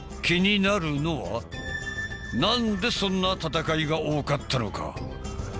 気になるのはなんでそんな戦いが多かったのか？